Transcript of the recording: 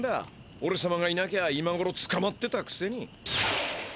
おれさまがいなきゃ今ごろつかまってたくせに。